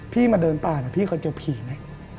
มาเดินป่านะพี่เคยเจอผีไหม